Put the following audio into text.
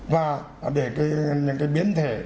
và để những biến thể